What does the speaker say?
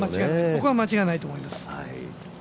そこは間違いないと思います。